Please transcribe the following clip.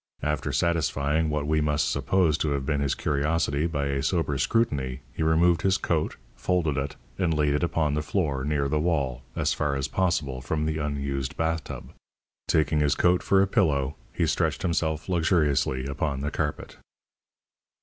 After satisfying what we must suppose to have been his curiosity by a sober scrutiny, he removed his coat, folded it, and laid it upon the floor, near the wall, as far as possible from the unused bathtub. Taking his coat for a pillow, he stretched himself luxuriously upon the carpet.